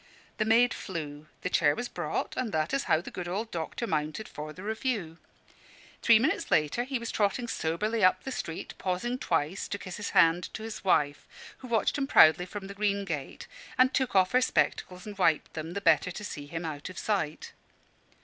The maid flew; the chair was brought; and that is how the good old doctor mounted for the review. Three minutes later he was trotting soberly up the street, pausing twice to kiss his hand to his wife, who watched him proudly from the green gate, and took off her spectacles and wiped them, the better to see him out of sight.